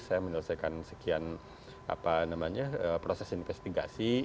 saya menyelesaikan sekian proses investigasi